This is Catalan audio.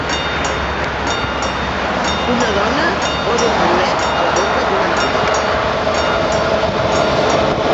Una dona posa un bolet a la boca d'una noia